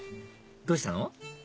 どうしたの？